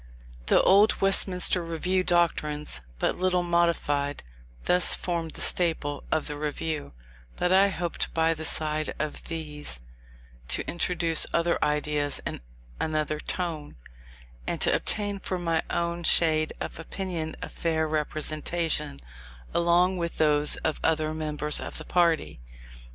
The old Westminster Review doctrines, but little modified, thus formed the staple of the Review; but I hoped by the side of these, to introduce other ideas and another tone, and to obtain for my own shade of opinion a fair representation, along with those of other members of the party.